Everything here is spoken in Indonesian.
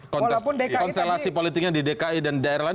konstelasi politiknya di dki dan daerah lain